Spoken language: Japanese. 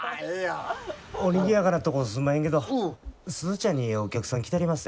おにぎやかなとこすんまへんけど鈴ちゃんにお客さん来てはりまっせ。